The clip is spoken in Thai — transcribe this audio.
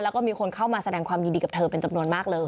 แล้วก็มีคนเข้ามาแสดงความยินดีกับเธอเป็นจำนวนมากเลย